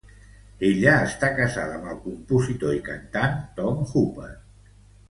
Ella està casada amb el compositor i cantant Tom Hooper.